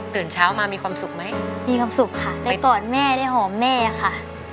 ตื่นเช้ามามีความสุขไหมมีความสุขค่ะได้กอดแม่ได้หอมแม่ค่ะ